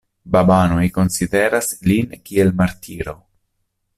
Babanoj konsideras lin kiel martiro.